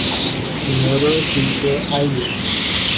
میرے پیچھے آییے